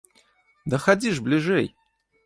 Да хадзі ж бліжэй!